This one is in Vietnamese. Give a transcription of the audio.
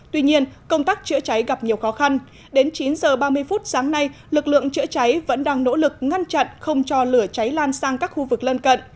tuy nhiên công tác chữa cháy gặp nhiều khó khăn đến chín giờ ba mươi phút sáng nay lực lượng chữa cháy vẫn đang nỗ lực ngăn chặn không cho lửa cháy lan sang các khu vực lân cận